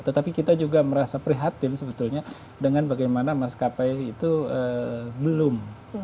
tetapi kita juga merasa prihatin sebetulnya dengan bagaimana maskapai itu belum